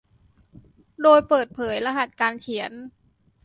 โดยเปิดเผยรหัสการเขียน